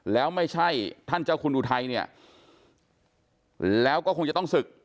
แล้วไม่ใช่ท่านเจ้าคุณอุทัยเนี่ยแล้วก็คงจะต้องศึก